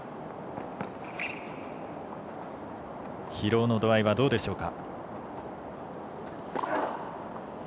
疲労の度合いはどうでしょうか。